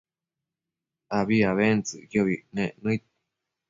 abi abentsëcquiobi nec nëid